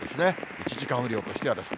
１時間雨量としてはです。